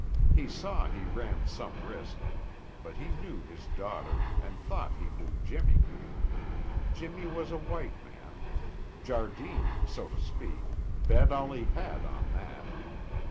He saw he ran some risk, but he knew his daughter and thought he knew Jimmy. Jimmy was a white man; Jardine, so to speak, bet all he had on that.